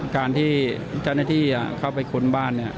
การที่ท่านหน้าที่อ่ะเข้าไปค้นบ้านเนี้ย